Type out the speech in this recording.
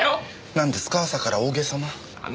なんですか朝から大げさな。